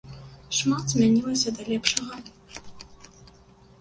Шмат змянілася да лепшага.